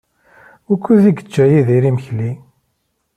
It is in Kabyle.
Wukud yečča Yidir imekli?